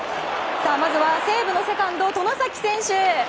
まずは西武のセカンド外崎選手。